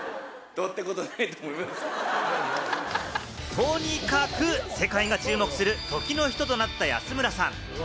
とにかく世界が注目する時の人となった安村さん。